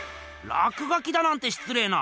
らくがきだなんてしつれいな。